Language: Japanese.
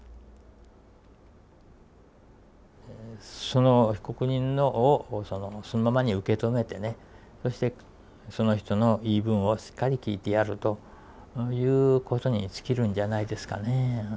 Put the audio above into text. その被告人をそのままに受け止めてねそしてその人の言い分をしっかり聞いてやるということに尽きるんじゃないですかね。